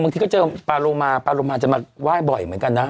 ที่ก็เจอปลาโลมาปาโลมาจะมาไหว้บ่อยเหมือนกันนะ